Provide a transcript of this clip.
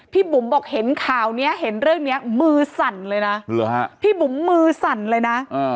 พี่บุ๋มบอกเห็นข่าวเห็นเรื่องนี้มือสั่นเลยนะ